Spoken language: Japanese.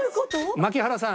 槙原さん